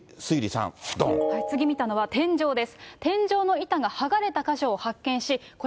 次見たのは天井です。